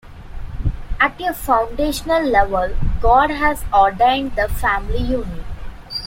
At a foundational level, God has ordained the family unit.